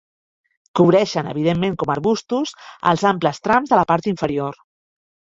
Cobreixen evidentment com arbustos els amples trams de la part inferior.